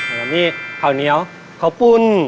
และกับนี่ข้าวเนียวข้าวปุ่น